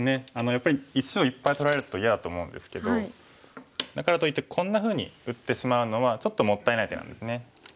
やっぱり石をいっぱい取られると嫌だと思うんですけどだからといってこんなふうに打ってしまうのはちょっともったいない手なんですね。